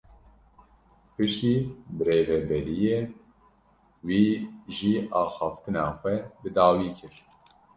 Piştî birêveberiyê, wî jî axaftina xwe bi dawî kir.